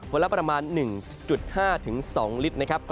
ละประมาณ๑๕๒ลิตรนะครับ